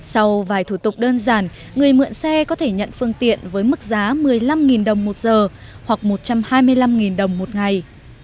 sau vài thủ tục đơn giản người mượn xe có thể nhận phương tiện với mức giá một mươi năm đồng một giờ hoặc một trăm hai mươi năm đồng một ngày